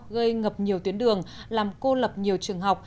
gây ngập nhiều tuyến đường làm cô lập nhiều trường học